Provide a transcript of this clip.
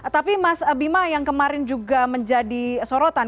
tapi mas bima yang kemarin juga menjadi sorotan